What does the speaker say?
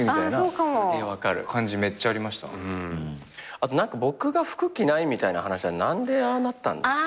あと僕が服着ないみたいな話は何でああなったんですか？